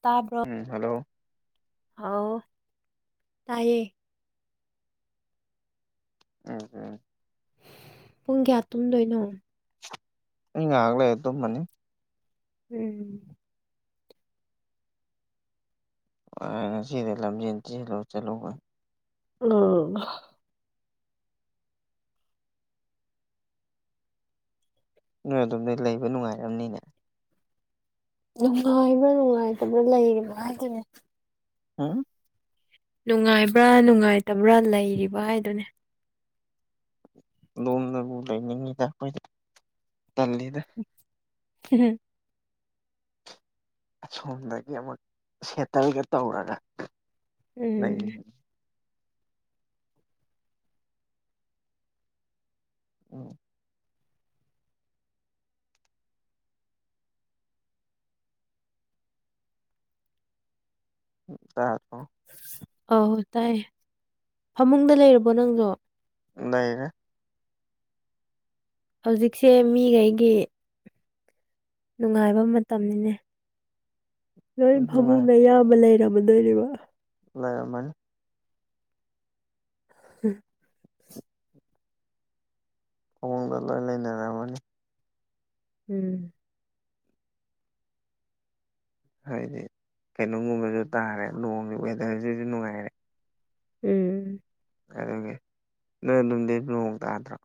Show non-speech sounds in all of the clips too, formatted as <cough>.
ꯇꯥꯕ꯭ꯔꯣ ꯎꯝ ꯍꯜꯂꯣ ꯍꯥꯎ ꯇꯥꯏꯌꯦ ꯎꯝ ꯎꯝ ꯄꯨꯡ ꯀꯌꯥ ꯇꯨꯝꯗꯣꯏꯅꯣ ꯑꯩ ꯉꯥꯏꯍꯥꯛ ꯂꯩꯔꯒꯥ ꯇꯨꯝꯃꯅꯤ ꯎꯝ ꯑꯥ ꯉꯁꯤꯗꯤ ꯂꯝꯖꯦꯟ ꯆꯦꯜꯂꯨ ꯆꯠꯂꯨꯕ ꯎꯝ ꯅꯣꯏ ꯑꯗꯨꯝꯗ ꯂꯩꯕ ꯅꯨꯡꯉꯥꯏꯔꯔꯕꯝꯅꯤꯅꯦ ꯅꯨꯡꯉꯥꯏꯕ꯭ꯔꯥ ꯅꯨꯡꯉꯥꯏꯇꯕ꯭ꯔꯥ ꯂꯩꯔꯤꯕ ꯍꯥꯏꯗꯣꯏꯅꯦ ꯍꯥꯥ ꯅꯨꯡꯉꯥꯏꯕ꯭ꯔꯥ ꯅꯨꯡꯉꯥꯏꯇꯕ꯭ꯔꯥ ꯂꯩꯔꯤꯕ ꯍꯥꯏꯗꯨꯅꯦ ꯂꯣꯝꯅꯕꯨ ꯂꯩꯅꯤꯡꯉꯤꯗ ꯑꯩꯈꯣꯏꯗ ꯆꯜꯂꯤꯗ ꯎꯝ ꯑꯁꯣꯝꯗꯒꯤ ꯑꯃꯨꯛ ꯁꯦꯇꯜꯒ ꯇꯧꯔꯒ ꯂꯩ ꯎꯝ ꯎꯝ ꯎꯝ ꯇꯄꯣ ꯑꯣꯏ ꯇꯥꯏꯌꯦ ꯐꯃꯨꯡꯗ ꯂꯩꯔꯕꯣ ꯅꯪꯁꯨꯣ ꯅꯅꯦ ꯍꯧꯖꯤꯛꯁꯦ ꯃꯤꯈꯩꯒꯤ ꯅꯨꯡꯉꯥꯏꯕ ꯃꯇꯝꯅꯤꯅꯦ ꯂꯣꯏ ꯅꯨꯡꯉꯥꯏ ꯐꯃꯨꯡꯗ ꯏꯌꯥꯝꯕ ꯂꯩꯔꯝꯃꯗꯣꯏꯔꯤꯕ ꯂꯩ ꯃꯥꯅꯤ ꯎꯝ ꯊꯑꯣꯡꯗ ꯂꯣꯏ ꯂꯩꯅꯔꯝꯃꯅꯤ ꯎꯝ ꯍꯥꯏꯗꯤ ꯀꯩꯅꯣꯝꯒꯨꯝꯕꯁꯨ ꯇꯥꯔꯦ ꯅꯣꯡꯒꯤ ꯋꯦꯗꯔꯁꯤꯁꯨ ꯅꯨꯡꯉꯥꯏꯔꯦ ꯎꯝ ꯑꯗꯨꯒꯤ ꯅꯣꯏ ꯑꯗꯨꯝꯗꯤꯩ ꯂꯨꯣꯡ ꯇꯥꯗ꯭ꯔꯣ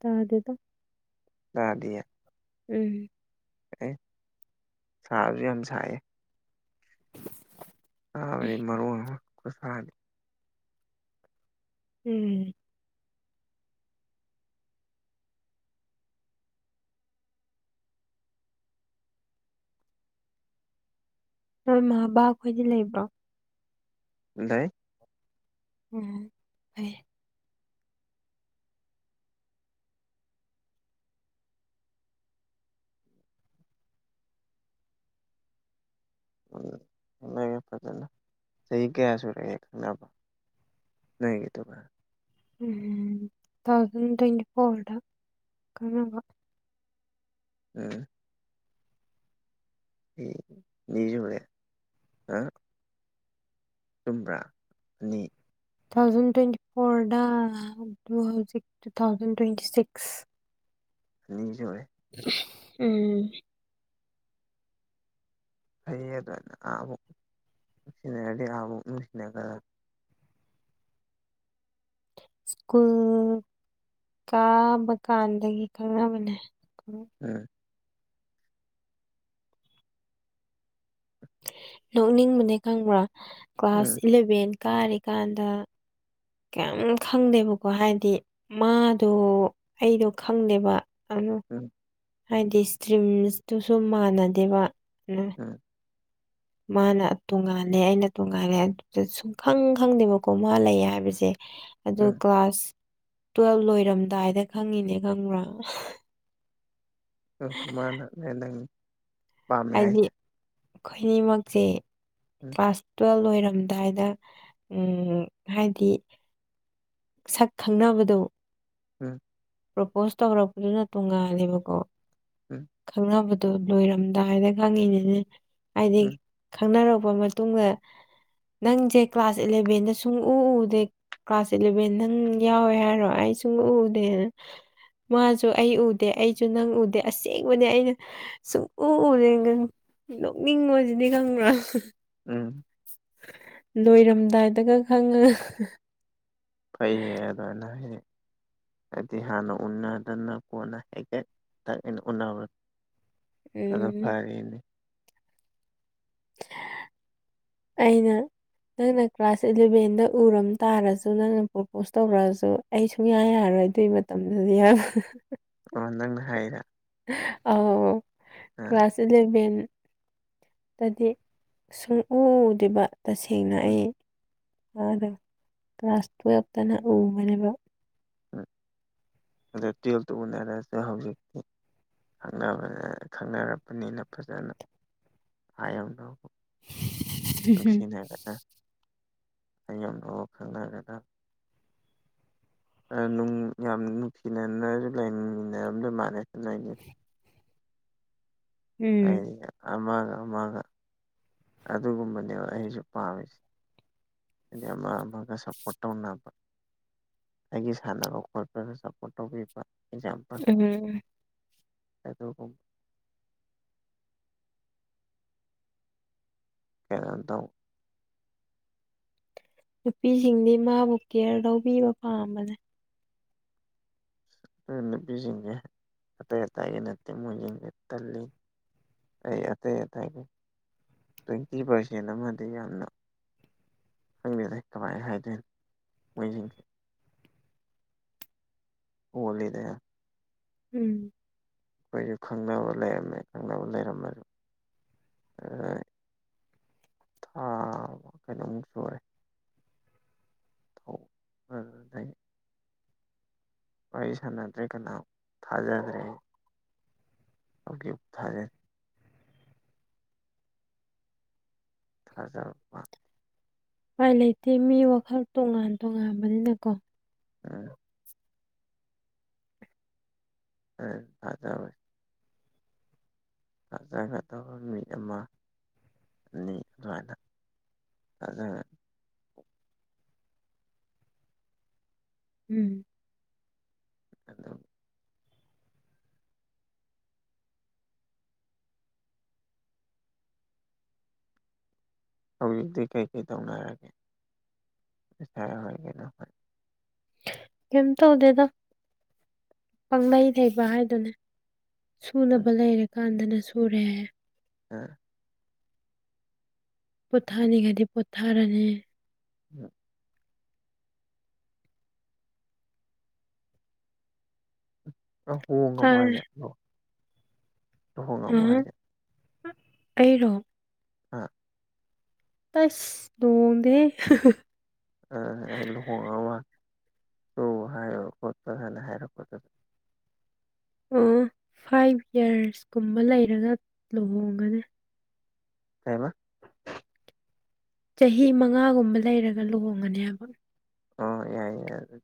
ꯇꯥ ꯑꯗꯨꯦꯗ ꯇꯗꯦ ꯎꯝ ꯑꯦ ꯁꯥꯕꯁꯨ ꯌꯥꯝ ꯁꯥꯏꯌꯦ ꯆꯥꯕꯗꯤ ꯃꯔꯨ ꯑꯃ ꯈꯨꯠꯁꯥꯅꯤ ꯎꯝ ꯅꯣꯏꯃꯥꯕꯥ ꯑꯩꯈꯣꯏꯗꯤ ꯂꯩꯕ꯭ꯔꯣ ꯂꯩ ꯎꯝ ꯐꯣꯏ ꯎꯝ ꯈꯒꯦ ꯐꯖꯅ ꯆꯍꯤ ꯀꯌꯥ ꯁꯨꯔꯒꯦ ꯈꯟꯅꯕ ꯅꯇꯥꯏ ꯎꯝ ꯇꯨ ꯊꯥꯎꯖꯟ ꯇ꯭ꯋꯦꯟꯇꯤ ꯐꯣꯔꯗ ꯀꯅꯕ ꯎꯝ ꯃꯤꯁꯨꯒꯦ ꯍꯥ ꯆꯨꯝꯕ꯭ꯔꯥ ꯑꯅꯤ ꯇꯨ ꯊꯥꯎꯖꯟ ꯇ꯭ꯋꯦꯟꯇꯤ ꯐꯣꯔꯗ ꯑꯗꯨ ꯍꯧꯖꯤꯛ ꯇꯨ ꯊꯥꯎꯖꯟ ꯇ꯭ꯋꯦꯟꯇꯤ ꯁꯤꯛꯁ ꯅꯤꯡꯖ ꯑꯣꯏꯦ ꯎꯝ ꯐꯩꯌꯦ ꯑꯗꯨꯅ ꯑꯥꯕꯕꯨ ꯅꯨꯡꯁꯤꯅꯔꯗꯤ ꯑꯥꯕꯧꯛ ꯅꯨꯡꯁꯤꯅꯈ꯭ꯔ ꯁ꯭ꯀꯨꯜ ꯀꯥꯕ ꯀꯥꯟꯗꯒꯤ ꯈꯪꯅꯕꯅꯦ ꯎꯝ ꯅꯣꯛꯅꯤꯡꯕꯅꯦ ꯈꯪꯕ꯭ꯔꯥ ꯀ꯭ꯂꯥꯁ ꯎꯝ ꯏꯂꯚꯦꯟ ꯀꯥꯔꯤꯀꯥꯟꯗ ꯀꯌꯥꯝ ꯈꯪꯗꯦꯕꯀꯣ ꯍꯥꯏꯗꯤ ꯃꯥꯗꯣ ꯑꯩꯗꯣ ꯈꯪꯗꯦꯕ ꯑꯗꯨ ꯎꯝ ꯍꯥꯏꯗꯤ ꯏꯁꯇ꯭ꯔꯤꯝꯁꯇꯨꯁꯨ ꯃꯥꯟꯅꯗꯦꯕ ꯎꯝ ꯃꯥꯅ ꯇꯣꯉꯥꯜꯂꯦ ꯑꯩꯅ ꯇꯣꯉꯥꯜꯂꯦ ꯑꯗꯨꯗ ꯁꯨꯡ ꯈꯪ ꯈꯪꯗꯦꯕꯀꯣ ꯃꯥ ꯂꯩ ꯍꯥꯏꯕꯁꯦ ꯑꯗꯣ ꯎꯝ ꯀ꯭ꯂꯥꯁ ꯇꯨꯋꯦꯜꯕ ꯂꯣꯏꯔꯝꯗꯥꯏꯗ ꯈꯪꯉꯤꯅꯦ ꯈꯪꯕ꯭ꯔꯥ ꯑ ꯃꯥꯥꯟꯅ ꯂꯩꯗꯥꯪꯅꯤ ꯍꯥꯏꯗꯤ ꯑꯩꯈꯣꯏꯅꯤꯃꯛꯁꯦ ꯎꯝ ꯀ꯭ꯂꯥꯁ ꯇꯨꯌꯦꯞ ꯂꯣꯏꯔꯝꯗꯥꯏꯗ ꯎꯝ ꯍꯥꯏꯗꯤ ꯁꯛ ꯈꯪꯅꯕꯗꯣ ꯎꯝ ꯄ꯭ꯔꯣꯄꯣꯁ ꯇꯧꯔꯛꯄꯗꯨꯅ ꯇꯣꯡꯉꯥꯜꯂꯦꯕꯀꯣ ꯎꯝ ꯈꯪꯅꯕ ꯑꯗꯨ ꯂꯣꯏꯔꯝꯗꯥꯏꯅ ꯈꯪꯉꯤꯅꯤꯅꯦ ꯍꯥꯏꯗꯤ ꯎꯝ ꯈꯪꯅꯔꯛꯄ ꯃꯇꯨꯡꯗ ꯅꯪꯁꯦ ꯀ꯭ꯂꯥꯁ ꯑꯦꯂꯚꯦꯟꯗ ꯁꯨꯡꯎ ꯎꯗꯦ ꯀ꯭ꯂꯥꯁ ꯏꯂꯚꯦꯟ ꯅꯪ ꯌꯥꯎꯋꯦ ꯍꯥꯏꯔꯣ ꯑꯩ ꯁꯨꯡꯎ ꯎꯗꯦꯅ ꯃꯥꯁꯨ ꯑꯩ ꯎꯗꯦ ꯑꯩꯁꯨ ꯅꯪ ꯎꯗꯦ ꯑꯁꯦꯡꯕꯅꯦ ꯑꯩꯅ ꯁꯨꯛꯎ ꯎꯗ‌ꯦ ꯅꯣꯛꯅꯤꯡꯕꯁꯤꯗꯤ ꯈꯪꯕ꯭ꯔꯥ ꯎꯝ ꯂꯣꯏꯔꯝꯗꯥꯏꯗꯒ ꯈꯪꯉꯒ ꯐꯩꯌꯦ ꯑꯗꯨꯃꯥꯏꯅ ꯍꯥꯏꯗꯤ ꯍꯥꯏꯗꯤ ꯍꯥꯟꯅ ꯎꯅꯗꯅ ꯀꯣꯟꯅ ꯍ‌ꯦꯛꯇ ꯗꯛ ꯍꯥꯏꯅ ꯎꯅꯕ ꯑꯗꯣ ꯎꯝ ꯐꯔꯤꯅꯦ ꯑꯩꯅ ꯅꯪꯅ ꯀ꯭ꯂꯥꯁ ꯏꯂꯚꯦꯟꯗ ꯎꯔꯝ ꯇꯥꯔꯁꯨ ꯅꯪꯅ ꯄ꯭ꯔꯣꯄꯣꯁ ꯇꯧꯔꯛꯑꯁꯨ ꯑꯩ ꯁꯨꯡꯌꯥ ꯌꯥꯔꯣꯏ ꯑꯗꯨꯏ ꯃꯇꯝꯗꯨꯗꯤ ꯍꯥꯏꯕ ꯑ‌ꯣ ꯅꯪꯅ ꯍꯥꯏꯔ ꯑꯧ ꯑ ꯀ꯭ꯂꯥꯁ ꯏꯂꯚꯦꯟ ꯗꯗꯤ ꯁꯨꯡꯎ ꯎꯗ‌ꯦꯕ ꯇꯁꯦꯡꯅ ꯎꯝ ꯑꯩ ꯃꯥꯗ‌ꯣ ꯀ꯭ꯂꯥꯁ ꯇꯨꯌꯦꯜꯞꯇꯅ ꯎꯕꯅꯦꯕ ꯎꯝ ꯑꯗꯨ ꯇꯨꯌ‌ꯦꯞ ꯇ ꯎꯅꯔꯁꯨ ꯍꯧꯖꯤꯛꯇꯤ ꯈꯪꯅꯕꯅꯤꯅ ꯈꯪꯅꯔꯛꯄꯅꯤꯅ ꯐꯖꯅ ꯍꯥꯏꯔꯝꯗꯧꯕ ꯅꯨꯡꯁꯤꯅꯔꯒ ꯑꯌꯨꯝ ꯐꯥꯎ ꯈꯪꯅꯔꯒ ꯑꯥ ꯅꯨꯡ ꯌꯥꯝ ꯅꯨꯡꯁꯤꯅꯅꯁꯨ ꯂꯩꯃꯤꯟꯅꯔꯝꯗꯧ ꯃꯥꯥꯟꯂꯦ ꯅ‌ꯣꯏꯅꯤ ꯎꯝ ꯍꯥꯏꯗꯤ ꯑꯃꯒ ꯑꯃꯒ ꯑꯗꯨꯒꯨꯝꯕꯅꯦꯕ ꯑꯩꯁꯨ ꯄꯥꯝꯃꯤꯁꯦ ꯍꯥꯏꯗꯤ ꯑꯃꯥ ꯑꯃꯥꯒ ꯁꯞꯄꯣꯔꯠ ꯇꯧꯅꯕ ꯑꯩꯒꯤ ꯁꯥꯟꯅꯕ ꯈꯣꯠꯄꯗ ꯁꯞꯄꯣꯔꯠ ꯇꯧꯕꯤꯕ ꯑꯦꯛꯖꯥꯝꯄꯜ ꯎꯝ ꯑꯗꯨꯒꯨꯝꯕ ꯀꯩꯅ‌ꯣꯝ ꯇꯧꯕ ꯅꯨꯄꯤꯁꯤꯡꯗꯤ ꯃꯥꯕꯨ ꯀꯦꯌꯔ ꯂꯧꯕꯤꯕ ꯄꯥꯝꯕꯅꯦ ꯑꯥ ꯅꯨꯄꯤꯁꯤꯡꯁꯦ ꯑꯇꯩ ꯑꯇꯩꯒꯤ ꯅꯠꯇꯦ ꯃꯣꯏꯁꯤꯡꯁꯦ ꯇꯜꯂ‌ꯦ ꯑꯩ ꯑꯇꯩ ꯑꯇꯩꯒꯤ ꯇ꯭ꯋꯦꯟꯇꯤ ꯄꯥꯔꯁꯦꯟ ꯑꯃꯗꯤ ꯌꯥꯝꯅ ꯈꯪꯗ‌ꯦꯗ ꯀꯃꯥꯏ ꯍꯥꯏꯗꯣꯏꯅꯣ ꯃꯣꯏꯁꯤꯡꯁꯦ ꯑꯣꯠꯂꯤꯗ ꯌꯥꯝ ꯎꯝ ꯑꯩꯈꯣꯏꯁꯨ ꯈꯪꯅꯕ ꯂꯩꯔꯝꯃꯦ ꯈꯪꯅꯕ ꯂꯩꯔꯝꯃꯁꯨ ꯊꯥ ꯀꯩꯅꯣ ꯃꯨꯛ ꯁꯨꯔꯦ <unintelligible> ꯋꯥꯔꯤ ꯁꯥꯟꯅꯗ꯭ꯔꯦ ꯀꯅꯥꯝ ꯊꯥꯖꯗ꯭ꯔꯦ ꯑꯩ <unintelligible> ꯊꯥꯖꯕ ꯄꯥꯛ ꯎꯄꯥꯏ ꯂꯩꯇꯦ ꯃꯤ ꯋꯥꯈꯜ ꯇꯣꯉꯥꯟ-ꯇꯣꯉꯥꯟꯕꯅꯤꯅꯀꯣ ꯎꯝ <unintelligible> ꯊꯥꯖꯒꯗꯕ ꯃꯤ ꯑꯃ ꯅꯤ ꯑꯗꯨꯃꯥꯏꯅ ꯑꯗꯨꯒ ꯎꯝ ꯑꯗꯣ ꯍꯧꯖꯤꯛꯇꯤ ꯀꯩ-ꯀꯩ ꯇꯧꯅꯔꯥꯒꯦ <unintelligible> ꯀꯤꯝ ꯇꯧꯗꯦꯗ ꯄꯪꯅꯩ ꯂꯩꯕ ꯍꯥꯏꯗꯨꯅꯦ ꯁꯨꯅꯕ ꯂꯩꯔꯀꯥꯟꯗꯅ ꯁꯨꯔꯦ ꯑꯥ ꯄꯣꯊꯥꯅꯤꯡꯉꯥꯗꯤ ꯄꯣꯊꯥꯔꯥꯅꯤ <inaudible> ꯅꯪ ꯍ‌ꯣꯡ ꯉꯕ‌ꯣ ꯍꯥꯏ ꯍꯥꯏꯖ‌ꯦ ꯍꯨꯝ-ꯍꯨꯝ ꯑꯩꯔꯣ ꯑ ꯇꯁ ꯇ‌ꯣꯡꯗ‌ꯦ ꯍꯥ ꯍꯥ ꯑ ꯂꯨꯍꯣꯡ ꯉꯥ ꯃꯥꯟ ꯅꯍꯥꯟꯅ ꯍꯥꯏꯔꯛꯄꯗ ꯑꯣ ꯐꯥꯏꯚ ꯌꯔꯁ ꯀꯨꯝꯕ ꯂꯩꯔꯒ ꯂꯨꯍꯣꯡꯒꯅꯤ ꯀꯩꯕ ꯆꯍꯤ ꯃꯉꯥꯒꯨꯝꯕ ꯂꯩꯔꯒ ꯂꯨꯍ‌ꯣꯡꯒꯅꯤ ꯍꯥꯏꯕ ꯑꯣ ꯌꯥꯏꯌꯦ ꯌꯥꯏ ꯑꯗꯨ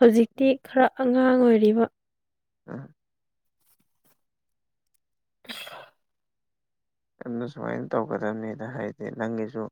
ꯍꯧꯖꯤꯛꯇꯤ ꯈꯔ ꯑꯉꯥꯡ ꯑꯣꯏꯔꯤꯕ ꯑꯝ ꯇꯨꯡꯗ ꯁꯨꯃꯥꯏ ꯇꯧꯒꯗꯝꯅꯤꯗ ꯍꯥꯏꯗꯤ ꯅꯪꯒꯤꯁꯨ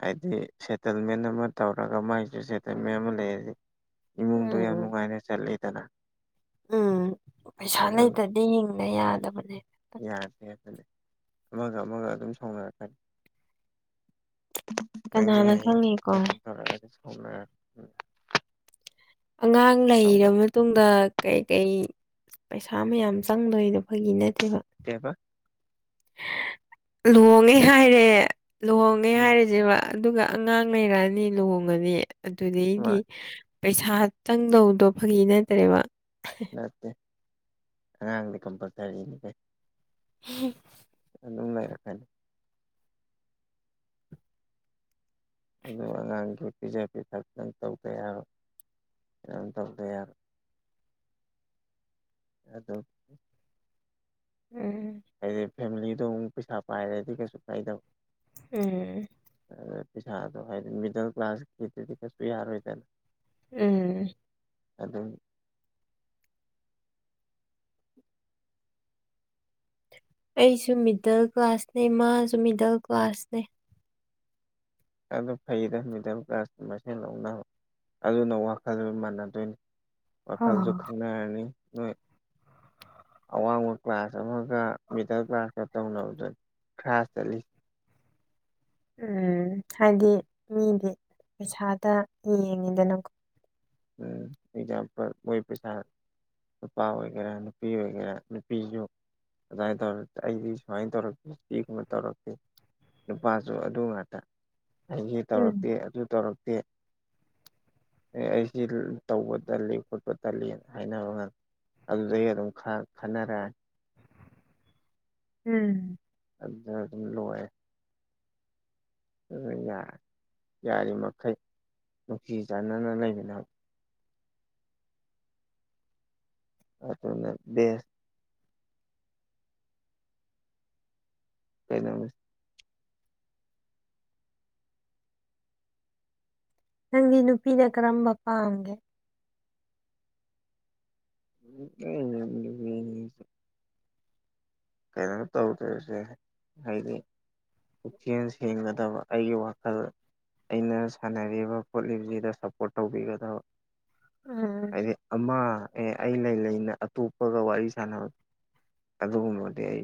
ꯍꯥꯏꯗꯤ ꯁꯦꯇꯜꯃꯦꯟ ꯑꯃ ꯇꯧꯔꯒ ꯃꯥꯏꯁꯨ ꯁꯦꯇꯜꯃꯦꯟ ꯑꯃ ꯂꯩꯔꯗꯤ ꯏꯃꯨꯡꯗꯨ ꯌꯥꯝ ꯎꯝ ꯅꯨꯡꯉꯥꯏꯅ ꯆꯠꯂꯤꯗꯅ ꯎꯝ ꯄꯩꯁꯥ ꯑꯗꯨ ꯂꯩꯇꯗꯤ ꯍꯤꯡꯅ ꯌꯥꯗꯕꯅꯦ ꯌꯥꯗꯦ ꯑꯗꯨꯅꯦ ꯑꯃꯒ ꯑꯃꯒ ꯑꯗꯨꯝ ꯁꯥꯎꯅꯔꯛꯀꯅꯤ ꯅ‌ꯪꯖꯨ ꯀꯅꯥꯅ ꯍꯌ‌ꯦꯡ ꯈꯪꯉꯤꯀꯣ <unintelligible> ꯑꯉꯥꯡ ꯂꯩꯔ ꯁꯥꯎꯅꯔ ꯃꯇꯨꯡꯗ ꯀꯩ-ꯀꯩ ꯄꯩꯁꯥ ꯃꯌꯥꯝ ꯆꯪꯗꯣꯏꯅꯣ ꯐꯥꯒꯤ ꯅꯠꯇꯦꯕ ꯀꯦꯕ ꯂꯨꯍꯣꯡꯉꯦ ꯍꯥꯏꯔꯦ ꯂꯨꯍꯣꯡꯉꯦ ꯎꯝ ꯍꯥꯏꯔꯖ‌ꯦꯕ ꯑꯗꯨꯒ ꯑꯉꯥꯡ ꯂꯩꯔꯛꯑꯅꯤ ꯂꯨꯍꯣꯡꯉꯅꯤ ꯃꯥ ꯑꯗꯨꯗꯩꯗꯤ ꯄꯩꯁꯥ ꯆꯪꯗꯧꯗ‌ꯣ ꯐꯒꯤ ꯅꯠꯇ꯭ꯔꯦꯕ ꯅꯠꯇꯦ ꯑꯉꯥꯡꯗꯤ ꯀꯝꯄꯜꯁꯔꯤꯅꯤ ꯀꯩ ꯍ <unintelligible> ꯑꯗꯨꯝ ꯂꯩꯔꯛꯀꯅꯤ ꯑꯗꯨ ꯑꯉꯥꯡꯒꯤ ꯄꯤꯖ ꯄꯤꯊꯛ ꯇ‌ꯪ ꯇꯧꯗ ꯌꯥꯔꯣꯏ ꯃꯌꯥꯝ ꯇꯧꯗ ꯌꯥꯔꯣꯏ ꯑꯗꯣ ꯎꯝ ꯍꯥꯏꯗꯤ ꯐꯦꯃꯤꯂꯤꯗꯣ ꯑꯃꯨꯛ ꯄꯩꯁꯥ ꯄꯥꯏꯔꯗꯤ ꯀꯩꯁꯨ ꯀꯥꯏꯗꯕ ꯎꯝ ꯄꯩꯁꯥꯗꯣ ꯍꯥꯏꯗꯤ ꯃꯤꯗꯜ ꯀ꯭ꯂꯥꯁꯀꯤꯗꯨꯗꯤ ꯀꯩꯁꯨ ꯌꯥꯔꯣꯏꯗꯅ ꯎꯝ ꯑꯗꯨꯝ ꯑꯩꯁꯨ ꯃꯤꯗꯜ ꯀ꯭ꯂꯥꯁꯅꯦ ꯃꯥꯁꯨ ꯃꯤꯗꯜ ꯀ꯭ꯂꯥꯁꯅꯦ ꯑꯗꯨ ꯐꯩꯗ ꯃꯤꯗꯜ ꯀ꯭ꯂꯥꯁ ꯃꯁꯦꯟ ꯂꯧꯅꯕ ꯑꯗꯨꯅ ꯋꯥꯈꯜꯗꯨ ꯃꯥꯟꯅꯗꯣꯏꯅꯤ ꯍ ꯋꯥꯈꯜꯖꯨ ꯈꯪꯅꯥꯔꯅꯤ <inaudible> ꯑꯋꯥꯡꯕ ꯀ꯭ꯂꯥꯁ ꯑꯃꯒ ꯃꯤꯗꯜ ꯀ꯭ꯂꯥꯁꯀ ꯇꯧꯅꯕꯗ ꯈ꯭ꯔꯥꯁ ꯆꯠꯂꯤ ꯎꯝ ꯍꯥꯏꯗꯤ ꯃꯤꯒꯤ ꯄꯩꯁꯥꯗ ꯌꯦꯡꯉꯤꯗꯅꯀꯣ ꯎꯝ ꯑꯦꯛꯖꯥꯝꯄꯜ ꯃꯣꯏ ꯄꯩꯁꯥ ꯅꯨꯄꯥ ꯑꯣꯏꯒꯦꯔꯥ ꯅꯨꯄꯤ ꯑꯣꯏꯒꯦꯔꯥ ꯅꯨꯄꯤꯁꯨ ꯑꯗꯥꯏ ꯇꯧꯔ ꯑꯩꯗꯤ ꯁꯨꯃꯥꯏꯅ ꯇꯧꯔꯛꯇ‌ꯦ ꯁꯤ ꯀꯨꯝꯕ ꯇꯧꯔꯛꯇ‌ꯦ ꯅꯨꯄꯥꯁꯨ ꯑꯗꯨ ꯉꯥꯛꯇ ꯑꯩꯁ ꯎꯝ ꯇꯧꯔꯛꯇꯦ ꯑꯗꯨ ꯇꯧꯔꯛꯇꯦ ꯑꯩ ꯁꯤ ꯇꯧꯕ ꯇꯜꯂꯤ ꯈꯣꯠꯄ ꯇꯜꯂꯤꯅ ꯍꯥꯏꯅꯕ ꯉꯝꯃꯤ ꯑꯗꯨꯩ ꯑꯗꯨꯝ ꯈꯥ-ꯈꯥꯅꯔꯦ ꯎꯝ ꯑꯗꯨꯗ ꯑꯗꯨꯝ ꯂꯣꯏꯔꯦ ꯑꯗꯨꯒ ꯌꯥꯔꯤꯃꯈꯩ ꯅꯨꯡꯁꯤꯆꯥꯟꯅꯅ ꯂꯩꯃꯤꯟꯅꯕꯗꯨ ꯑꯗꯨ ꯑꯗꯨ ꯕꯥꯁ ꯀꯩꯗꯣꯅꯣ ꯅꯪꯗꯤ ꯅꯨꯄꯤꯅ ꯀꯔꯝꯕ ꯄꯥꯝꯒꯦ <unintelligible> ꯀꯩꯅꯣ ꯇꯧꯗꯔꯤꯁꯦ ꯍꯥꯏꯗꯤ ꯄꯨꯛꯆꯦꯟ ꯁꯦꯡꯒꯗꯕ ꯑꯩꯒꯤ ꯋꯥꯈꯜ ꯑꯩꯅ ꯁꯥꯟꯅꯔꯤꯕ ꯈꯣꯠꯂꯤꯁꯤꯗ ꯁꯞꯄꯣꯔꯠ ꯇꯧꯕꯤꯒꯗꯕ ꯎꯝ ꯍꯥꯏꯗꯤ ꯑꯝꯃ ꯑꯦ ꯑꯩ ꯂꯩ ꯂꯩꯅ ꯑꯇꯣꯞꯄꯒ ꯋꯥꯔꯤ ꯁꯥꯟꯅꯕ ꯑꯗꯨꯒꯨꯝꯕꯅꯤ ꯑꯩ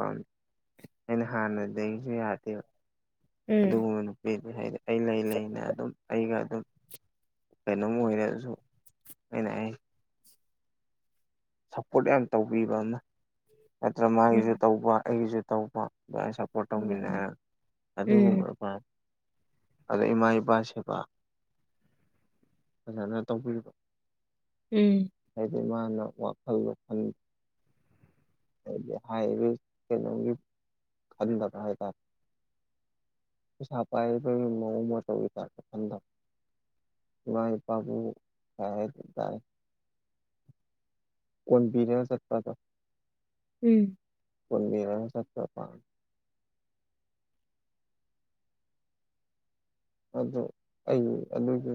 ꯑꯩꯅ ꯍꯥꯟꯅꯗꯒꯤꯁꯨ ꯌꯥꯗꯦꯕ ꯎꯝ ꯑꯗꯨꯒꯨꯝꯕ ꯅꯨꯄꯤꯗꯤ ꯍꯥꯏꯗꯤ ꯑꯩ ꯂꯩ-ꯂꯩꯅ ꯑꯗꯨꯝ ꯑꯩꯒ ꯑꯗꯨꯝ ꯀꯩꯅꯣꯝ ꯑꯣꯏꯔꯥꯁꯨ ꯑꯩꯅ ꯑꯩ ꯁꯞꯄꯣꯔꯠ ꯌꯥꯝ ꯇꯧꯕꯤꯕ ꯑꯃ ꯅꯠꯇ꯭ꯔꯥ ꯎꯝ ꯃꯥꯒꯤꯁꯨ ꯇꯧꯕ ꯑꯩꯒꯤꯁꯨ ꯇꯧꯕ ꯑꯗꯨꯃꯥꯏꯅ ꯁꯄꯣꯔꯠ ꯎꯝ ꯇꯧꯃꯤꯟꯅꯦ ꯎꯝ ꯑꯗꯨꯒꯨꯝꯕꯅ ꯐ ꯑꯗ ꯏꯃꯥ ꯏꯄꯥ ꯁꯦꯕꯥ ꯐꯖꯅ ꯇꯧꯕꯤꯔꯤꯕ ꯎꯝ ꯍꯥꯏꯗꯤ ꯃꯥꯅ ꯋꯥꯈꯜ ꯈꯜꯂꯤ ꯍꯥꯏꯗꯤ ꯍꯥꯏꯔꯤꯕ ꯀꯩꯅꯣꯒꯤ ꯈꯟꯗꯕ ꯍꯥꯏꯇꯥꯔꯦ ꯄꯩꯁꯥ ꯄꯥꯏꯔꯒ ꯅꯣꯡꯃꯥ ꯇꯧꯏ ꯇꯥꯕꯅꯦ ꯈꯟꯗꯝ ꯃꯥꯏ ꯏꯄꯥꯕꯨ ꯍꯥꯏ-ꯍꯥꯏ ꯀꯨꯠ ꯇꯥꯔꯦ ꯀꯣꯟꯕꯤꯔꯒꯥ ꯆꯠꯄꯗꯣ ꯎꯝ ꯄꯟꯔ ꯁꯠꯇꯔ ꯄꯝꯃꯦ ꯑꯗꯨ ꯑꯩꯒꯤ ꯑꯗꯨꯒꯤ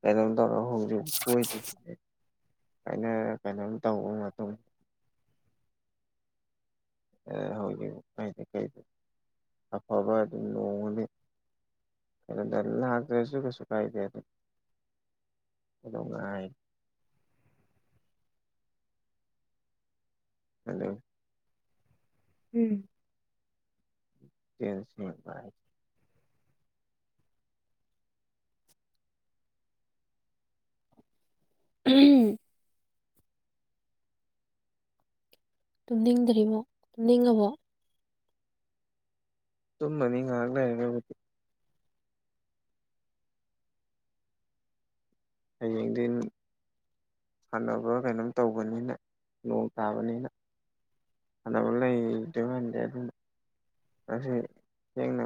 ꯀꯩꯅꯣꯝ ꯇꯧꯔꯒ ꯍꯧꯖꯤꯛ ꯀꯗ ꯑꯩꯅ ꯀꯩꯅꯣꯝ ꯇꯧꯕ ꯃꯇꯨꯡ <unintelligible> ꯍꯣꯏꯗꯤ ꯀꯩ ꯑꯐꯕ ꯑꯗꯨ ꯅꯣꯡꯃꯗꯤ ꯗ ꯍꯥ꯭ꯔꯦꯁꯨꯨꯈ ꯁꯨꯈ ꯏꯗꯉꯥꯏ <inaudible> ꯎꯝ ꯂꯦꯟꯁꯂꯣꯠ ꯄꯥꯏ ꯎꯝ ꯇꯨꯝꯅꯤꯡꯗ꯭ꯔꯤꯕꯣ ꯇꯨꯝꯅꯤꯡꯉꯕꯣ ꯇꯨꯝꯃꯅꯤ ꯉꯥꯏꯍꯥꯛ ꯂꯩꯔꯒꯕꯨꯗꯤ ꯍꯌꯦꯡꯗꯤꯟ ꯁꯥꯟꯅꯕ ꯀꯩꯅꯣꯝ ꯇꯧꯕꯅꯤꯅ ꯅꯣꯡ ꯇꯥꯕꯅꯤꯅ ꯐꯅꯕ ꯂꯩꯗ ꯉꯥꯟꯗꯦ ꯑꯗꯨꯝ ꯊꯦꯡꯅ